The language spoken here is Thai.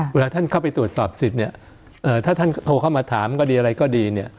เวลาท่านเข้าไปตรวจสอบสิทธิ์เนี่ยถ้าท่านโทรเข้ามาถามก็ดีอะไรก็ดีเนี่ย